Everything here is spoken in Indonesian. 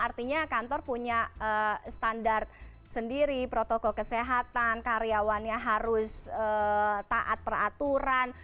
artinya kantor punya standar sendiri protokol kesehatan karyawannya harus taat peraturan